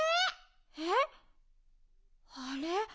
えっ？あれ？